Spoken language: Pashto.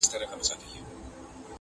جهانی به له بهاره د سیلیو لښکر یوسي!